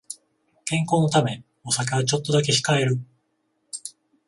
健康のためお酒はちょっとだけ控える